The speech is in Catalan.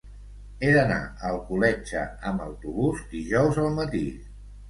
He d'anar a Alcoletge amb autobús dijous al matí.